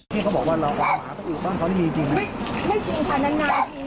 พี่เขาบอกว่าเรากว่าหมาตัวอื่นบ้านเขาไม่มีจริงไม่จริงค่ะนานนานมี